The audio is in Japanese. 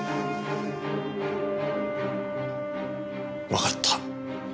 わかった。